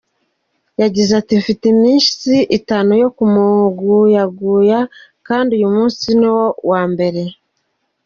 Yagize ati: ”Mfite iminsi itanu yo kumuguyaguya kandi uyu munsi ni wo wa mbere”.